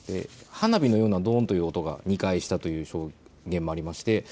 花火のような、どんという音が２回したという証言もありまして